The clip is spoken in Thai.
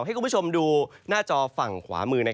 ให้คุณผู้ชมดูหน้าจอฝั่งขวามือ